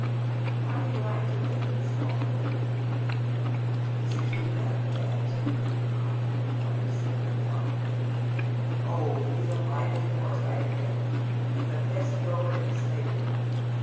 " How do you like the Bull, Miss Faunthorpe ?" "Isn't he ratlier bad tempered ?" inquires Sibyl, doubtfully. "Oh, he's a lively horse, I admit, but the best goer in thf stable.